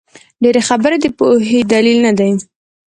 ډېري خبري د پوهي دلیل نه دئ.